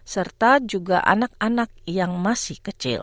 serta juga anak anak yang masih kecil